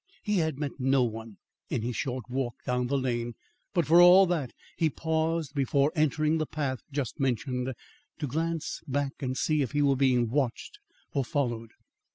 He had met no one in his short walk down the lane, but for all that, he paused before entering the path just mentioned, to glance back and see if he were being watched or followed.